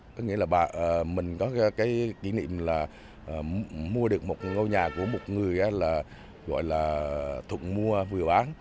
có nghĩa là mình có cái kỷ niệm là mua được một ngôi nhà của một người là gọi là thuận mua vừa bán